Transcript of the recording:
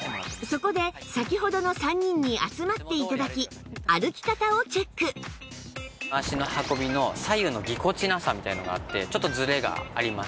そこで先ほどの３人に集まって頂き脚の運びの左右のぎこちなさみたいなのがあってちょっとずれがあります。